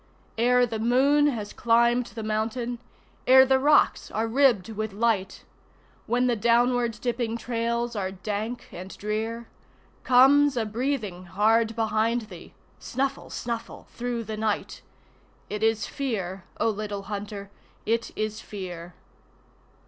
Ere the moon has climbed the mountain, ere the rocks are ribbed with light, When the downward dipping trails are dank and drear, Comes a breathing hard behind thee snuffle snuffle through the night It is Fear, O Little Hunter, it is Fear!